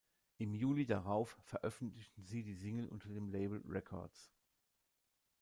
Im Juli darauf veröffentlichten sie die Single unter dem Label Records.